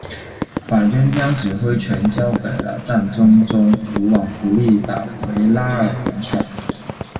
法军将指挥权交给了战争中无往不利的维拉尔元帅。